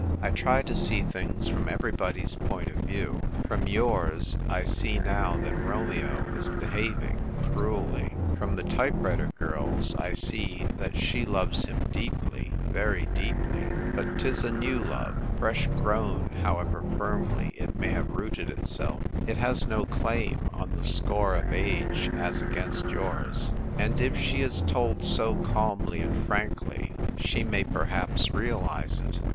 I try to sec tilings from everybody's point of view. From yours, I see now liiat Koukm) is beiiaving — cruelly. From tiie type writer girl's, I sec that she loves him deeply, very deeply ; but 'tis a new love, fresh grown ; however firmly it may have rooted itself, it has no claim on the score of age as against yours ; and if she is told so calmly and frankly, she may per haps realise it.